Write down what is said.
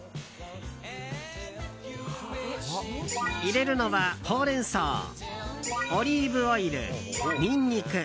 入れるのはホウレンソウオリーブオイル、ニンニク。